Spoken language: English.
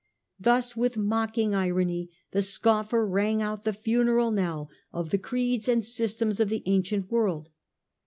Thus with mocking irony the scoffer rang out the funeral knell of the creeds and systems of the ancient world.